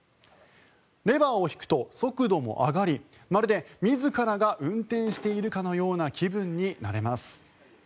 レバーを引くと速度も上がりまるで自らが運転しているかのような気分になれます。